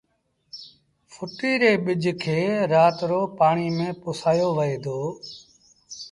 ڦٽيٚ ري ٻج کي رآت رو پآڻيٚ ميݩ پُسآيو وهي دو